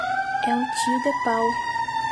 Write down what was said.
É um tio de pau.